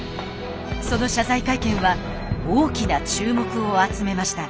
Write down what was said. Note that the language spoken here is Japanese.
その謝罪会見は大きな注目を集めました。